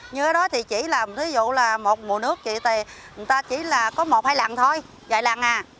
như thế đó thì chỉ là ví dụ là một mùa nước thì người ta chỉ là có một hai lần thôi vài lần à